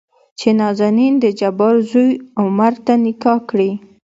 چې نازنين دجبار زوى عمر ته نکاح کړي.